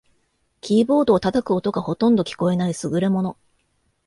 キーボードを叩く音がほとんど聞こえない優れもの